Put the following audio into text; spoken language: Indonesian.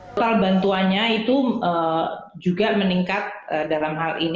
total bantuannya itu juga meningkat dalam hal ini